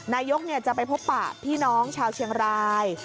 นายกจะไปพบปะพี่น้องชาวเชียงราย